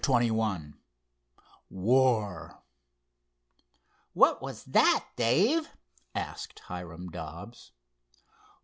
CHAPTER XXI WAR "What was that, Dave?" asked Hiram Dobbs.